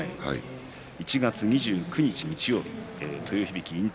１月２９日の日曜日豊響引退